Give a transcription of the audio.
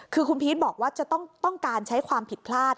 คือคุณพีชบอกว่าจะต้องการใช้ความผิดพลาด